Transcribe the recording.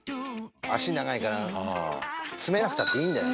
脚長いから詰めなくたっていいんだよ